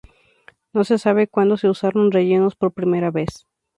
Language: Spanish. No se sabe cuándo se usaron rellenos por primera vez.